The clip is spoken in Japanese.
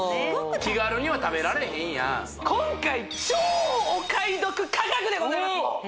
気軽には食べられへんやん今回超お買い得価格でございますよ